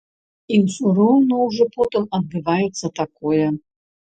І ўсё роўна ўжо потым адбываецца такое.